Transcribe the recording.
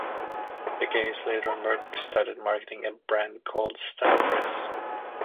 Decades later, Merc started marketing a brand called "Sta Press".